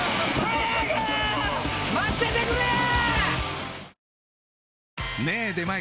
待っててくれや！